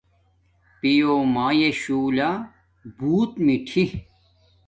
پیلو مایے شولہ بوت میھٹی